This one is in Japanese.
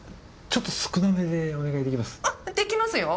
ちょっと少なめでお願いできます？